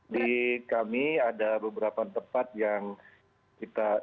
di kami ada beberapa tempat yang kita